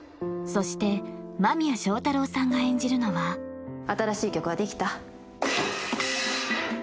そして間宮祥太朗さんが演じるのは新しい曲はできた？